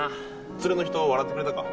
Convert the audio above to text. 連れの人笑ってくれたか？